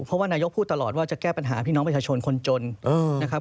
เพราะว่านายกพูดตลอดว่าจะแก้ปัญหาพี่น้องประชาชนคนจนนะครับ